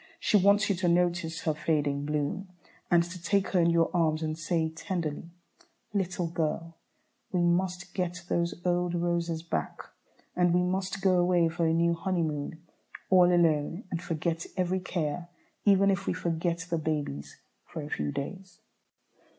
She wants you to notice her fading bloom, and to take her in your arms and say, tenderly, "Little girl, we must get those old roses back. And we must go away for a new honeymoon, all alone, and forget every care, even if we forget the babies for a few days."